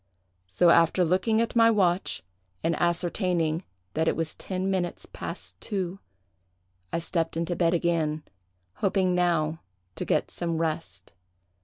So, after looking at my watch, and ascertaining that it was ten minutes past two, I stepped into bed again, hoping now to get some rest.